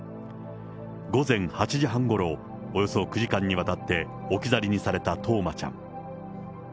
午前８時半ごろ、およそ９時間にわたって置き去りにされた冬生ちゃん。